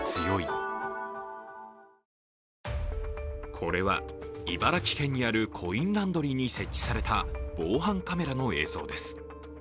これは茨城県にあるコインランドリーに設置された防犯カメラの映像です。